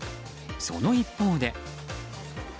その一方で。